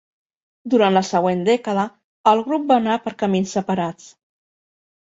Durant la següent dècada, el grup va anar per camins separats.